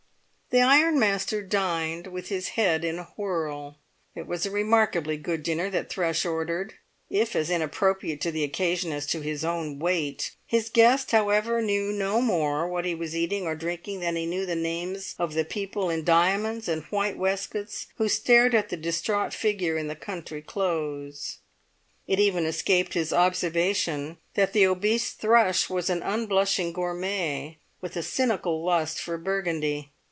The ironmaster dined with his head in a whirl. It was a remarkably good dinner that Thrush ordered, if as inappropriate to the occasion as to his own weight. His guest, however, knew no more what he was eating or drinking than he knew the names of the people in diamonds and white waistcoats who stared at the distraught figure in the country clothes. It even escaped his observation that the obese Thrush was an unblushing gourmet with a cynical lust for Burgundy.